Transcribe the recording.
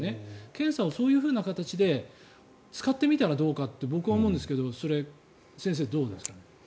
検査をそういうふうな形で使ってみたらどうかと思うんですがそれは先生、どうなんですか。